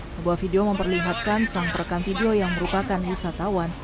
sebuah video memperlihatkan sang perekam video yang merupakan wisatawan